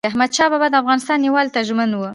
احمدشاه بابا د افغانستان یووالي ته ژمن و.